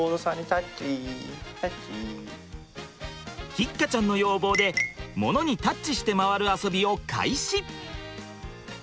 桔鹿ちゃんの要望で物にタッチして回る遊びを開始。